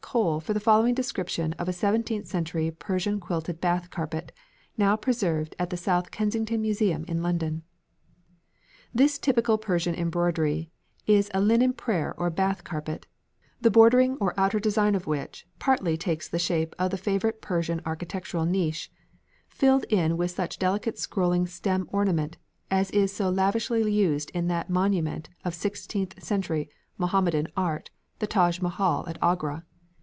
Cole for the following description of a seventeenth century Persian quilted bath carpet, now preserved at the South Kensington Museum in London. "This typical Persian embroidery is a linen prayer or bath carpet, the bordering or outer design of which partly takes the shape of the favourite Persian architectural niche filled in with such delicate scrolling stem ornament as is so lavishly used in that monument of sixteenth century Mohammedan art, the Taj Mahal at Agra.